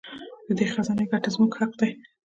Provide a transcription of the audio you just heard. د دې خزانې ګټه زموږ حق دی.